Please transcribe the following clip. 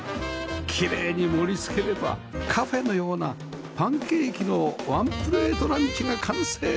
きれいに盛り付ければカフェのようなパンケーキのワンプレートランチが完成です